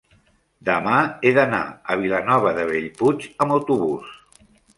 demà he d'anar a Vilanova de Bellpuig amb autobús.